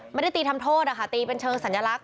ไม่ได้ตีทำโทษนะคะตีเป็นเชิงสัญลักษ